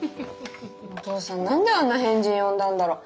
お父さん何であんな変人呼んだんだろう。